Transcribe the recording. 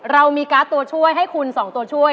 เรามีการ์ดตัวช่วยให้คุณ๒ตัวช่วย